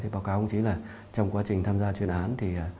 báo cáo công chí là trong quá trình tham gia chuyên án